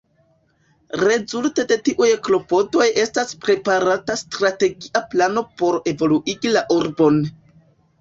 Rezulte de tiuj klopodoj estas preparata strategia plano por evoluigi la urbon.